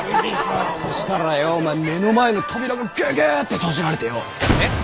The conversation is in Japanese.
そしたらよお前目の前の扉がぐぐっと閉じられてよ。え！？